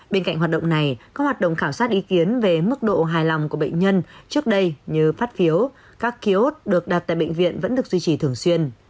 bên cạnh hoạt động này các hoạt động khảo sát ý kiến về mức độ hài lòng của bệnh nhân trước đây như phát phiếu các ký ốt được đặt tại bệnh viện vẫn được duy trì thường xuyên